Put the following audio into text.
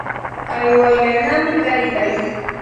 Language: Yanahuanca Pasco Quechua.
aywallanami taytay.